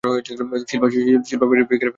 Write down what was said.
শিল্পা শেট্টির ফিগার খারাপ হয়েছে?